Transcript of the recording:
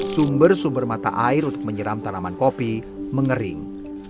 sumber sumber mata air untuk menyeram tanaman kopi mengering